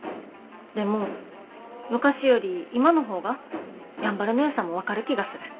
でも昔より今の方がやんばるのよさも分かる気がする。